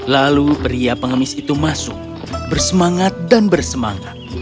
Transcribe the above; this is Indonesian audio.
lalu pria pengemis itu masuk bersemangat dan bersemangat